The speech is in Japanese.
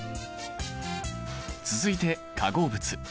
続いて化合物。